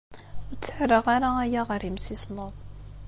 Ur ttarraɣ ara aya ɣer yimsismeḍ.